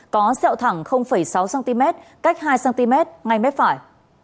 có sẹo thẳng sáu cm cách hai cm ngay mép phải